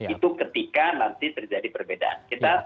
itu ketika nanti terjadi perbedaan